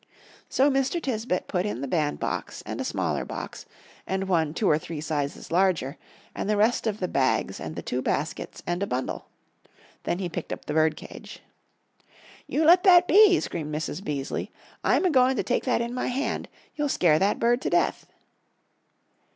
So Mr. Tisbett put in the bandbox and a smaller box, and one two or three sizes larger, and the rest of the bags and the two baskets, and a bundle. Then he picked up the birdcage. "You let that be!" screamed Mrs. Beaseley. "I'm a goin' to take that in my hand; you'll scare that bird to death."